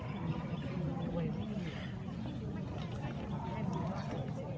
ขอบคุณครับ